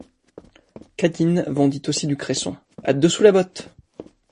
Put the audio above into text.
Cadine vendit aussi du cresson. « À deux sous la botte!